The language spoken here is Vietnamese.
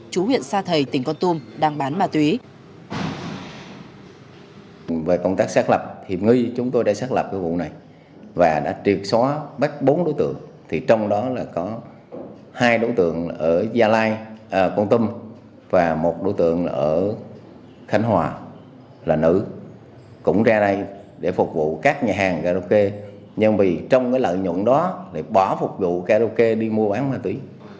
chú huyện sa thầy tỉnh con tum đang bán ma túy